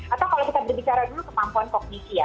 atau kalau kita berbicara dulu kemampuan kognisi ya